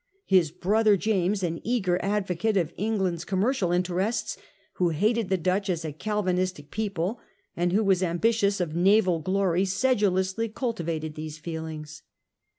His brother James, an eager advocate of England's commercial interests, who hated the Dutch as a Calvin istic people, and who was ambitious of naval glory, sedulously cultivated these feelings.